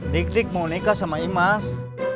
dik dik mau nikah sama imas